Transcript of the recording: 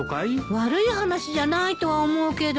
悪い話じゃないとは思うけど。